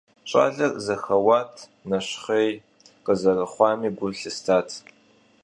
Щӏалэр зэхэуат, нэщхъей къызэрыхъуами гу лъыстат.